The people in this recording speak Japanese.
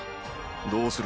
どうする？